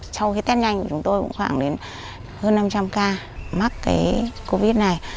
trong cái test nhanh của chúng tôi cũng khoảng đến hơn năm trăm linh k mắc cái covid này